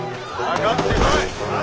かかってこい！